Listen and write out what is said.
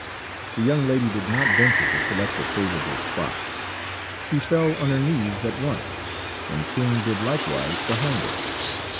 The young lady did not venture to select a favourable spot; she fell on her knees at once, and Chung did likewise behind her.